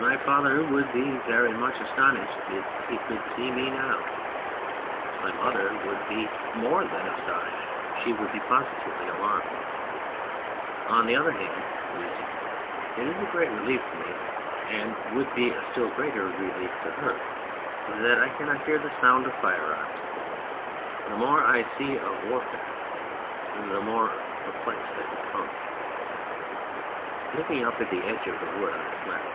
... My father would be very much astonished if he could see me now !... My mother would be more than astonished : she would be positively alarmed ! On the other hand (ynusing) it is a great relief to me, and would be a still greater relief to her, that I cannot hear the sound of fire arms. ... The more I see of warfare the more and more perplexed I become. (Looking up at the edge of the wood on his left.